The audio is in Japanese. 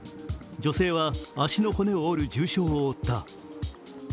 女性は足の骨を折る重傷を負った。